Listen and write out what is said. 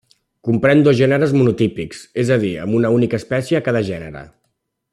Comprèn dos gèneres monotípics, és a dir, amb una única espècie a cada gènere.